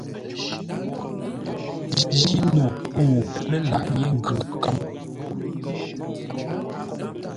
Jíno ŋuu lə́ laghʼ yé ngʉ nkə̌m.